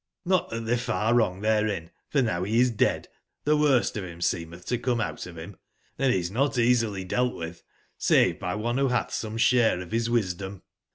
]Vot tbat tbey are far wrong tberein ; for now beis dead, tbe worstof bim seemetb to come out of bim, and be is not easily dealt witb, save by one wbo batb some sbare of bis wisdom.